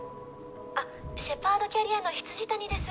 あっシェパードキャリアの未谷です。